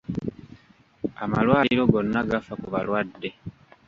Amalwaliro gonna gafa ku balwadde.